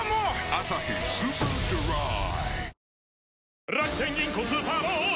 「アサヒスーパードライ」